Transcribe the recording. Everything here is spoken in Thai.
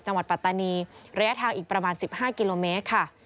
จังหวัดปัตตานีระยะทางอีกประมาณสิบห้ากิโลเมตรค่ะ